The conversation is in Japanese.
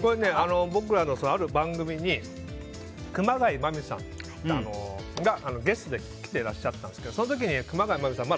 これ、僕らのある番組に熊谷真実さんがゲストで来ていらっしゃったんですけどその時に熊谷真実さん